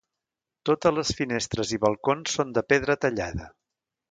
Totes les finestres i balcons són de pedra tallada.